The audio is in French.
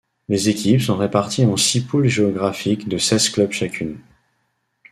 Les équipes sont réparties en six poules géographiques de seize clubs chacune.